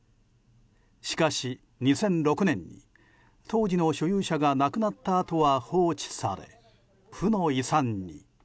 しかし、２００６年に当時の所有者が亡くなったあとは放置され負の遺産に。